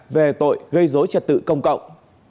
về tội gây dối trật tự công cộng